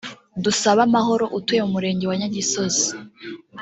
Dusabamahoro utuye mu Murenge wa Nyagisozi